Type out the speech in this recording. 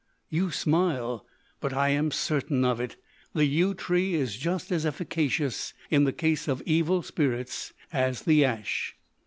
You smile! but I am certain of it. The yew tree is just as efficacious in the case of evil spirits as the ash!"